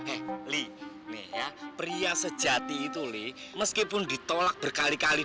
eh li pria sejati itu li meskipun ditolak berkali kali